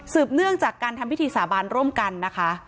เนื่องจากการทำพิธีสาบานร่วมกันนะคะ